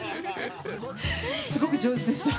すごく上手でした。